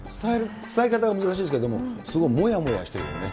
伝え方が難しいですけれども、すごいもやもやしてるよね。